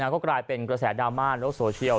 ก็กลายเป็นกระแสดราม่าโลกโซเชียล